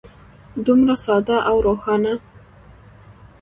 دومره ساده او روښانه.